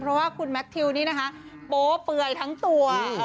เพราะว่าคุณแมททิวนี่นะคะโป๊เปื่อยทั้งตัว